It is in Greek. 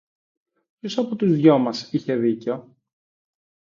Ποιος από τους δυο μας είχε δίκιο;